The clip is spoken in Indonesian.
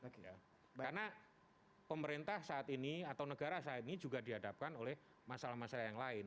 karena pemerintah saat ini atau negara saat ini juga dihadapkan oleh masalah masalah yang lain